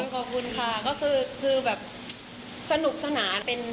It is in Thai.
ขอบคุณค่ะก็คือแบบสนุกสนานเป็น